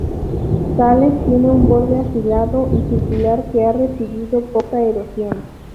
Thales tiene un borde afilado y circular que ha recibido poca erosión.